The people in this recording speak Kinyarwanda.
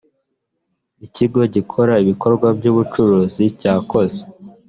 ikigo gikora ibikorwa by ubucuruzi cyakoze